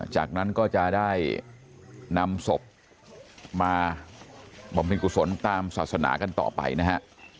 จากนั้นก็จะได้นำศพมาบำเพ็ญกุศลตามศาสนากันต่อไปนะฮะ